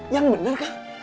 yang bener kak